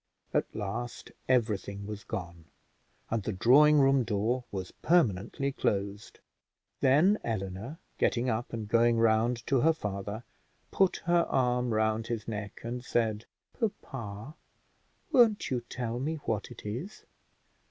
At last everything was gone, and the drawing room door was permanently closed; then Eleanor, getting up and going round to her father, put her arm round his neck, and said, "Papa, won't you tell me what it is?"